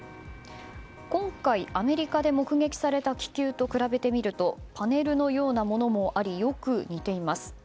今回、アメリカで目撃された気球と比べてみるとパネルのようなものもありよく似ています。